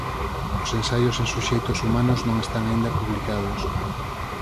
Os ensaios en suxeitos humanos non están aínda publicados.